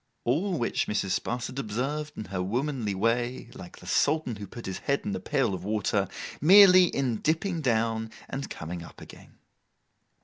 All which Mrs. Sparsit observed in her womanly way—like the Sultan who put his head in the pail of water—merely in dipping down and coming up again.